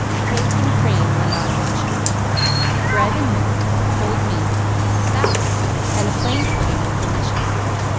Cake and cream were not mentioned. Bread and milk, cold meat, salad, and a plain pudding were delicious.